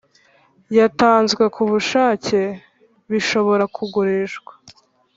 Yatanzwe Ku Bushake Bishobora Kugurishwa